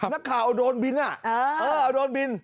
นักข่าวโดนบินน่ะเออโดนบิน